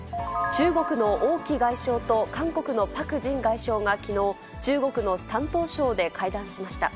中国の王毅外相と韓国のパク・ジン外相がきのう、中国の山東省で会談しました。